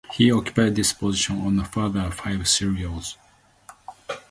He occupied this position on a further five serials.